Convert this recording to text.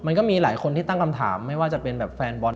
มันก็มีหลายคนที่ตั้งคำถามไม่ว่าจะเป็นแบบแฟนบอล